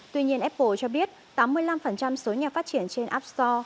tuy nhiên apple cho biết tám mươi năm số nhà phát triển trên app store